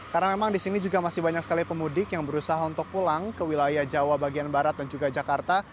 karena memang di sini juga masih banyak sekali pemudik yang berusaha untuk pulang ke wilayah jawa bagian barat dan juga jakarta